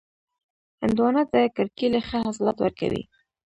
هندوانه د کرکېلې ښه حاصلات ورکوي.